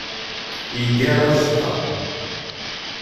Yeggar aẓeṭṭa.